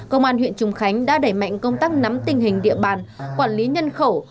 công an huyện trùng khánh đã đẩy mạnh công tác nắm tình hình địa bàn quản lý nhân khẩu